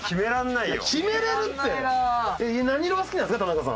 何色が好きなんですか？